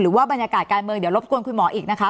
ว่าบรรยากาศการเมืองเดี๋ยวรบกวนคุณหมออีกนะคะ